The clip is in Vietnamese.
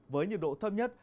với nhiệt độ thấp nhất